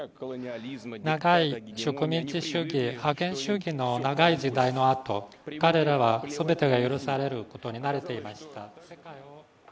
長い植民地主義、派遣主義の長い時代のあと、彼らは全てが許されることに慣れていました。